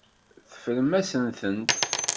Teffrem-asent-tent.